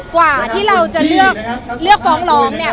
กว่าที่เราจะเลือกเลือกฟ้องร้องเนี่ย